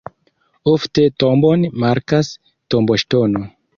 Ofte tombon markas tomboŝtono.